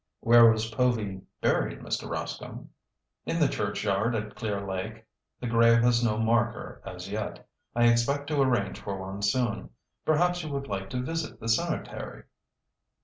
"Where was Povy buried, Mr. Rascomb?" "In the church yard at Clear Lake. The grave has no marker as yet. I expect to arrange for one soon. Perhaps you would like to visit the cemetery?"